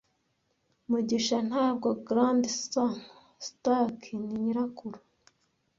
Mugisha, ntabwo Grandsir Stark, ni Nyirakuru,